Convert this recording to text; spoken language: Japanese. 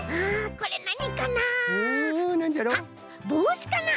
これなにかな？